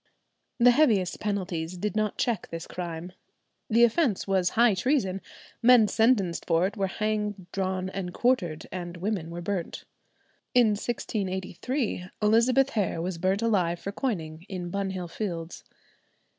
The heaviest penalties did not check this crime. The offence was high treason; men sentenced for it were hanged, drawn, and quartered, and women were burnt. In 1683 Elizabeth Hare was burnt alive for coining in Bunhill Fields.